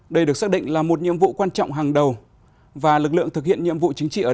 đây được xác định là một nhiệm vụ quan trọng hàng đầu và lực lượng thực hiện nhiệm vụ chính trị ở